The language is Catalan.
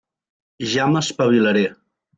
Ja m'espavilaré.